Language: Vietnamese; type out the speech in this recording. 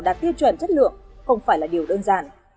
đạt tiêu chuẩn chất lượng không phải là điều đơn giản